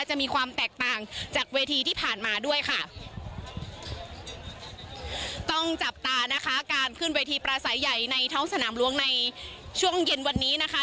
จะมีความแตกต่างจากเวทีที่ผ่านมาด้วยค่ะต้องจับตานะคะการขึ้นเวทีประสัยใหญ่ในท้องสนามหลวงในช่วงเย็นวันนี้นะคะ